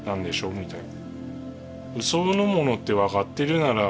みたいな。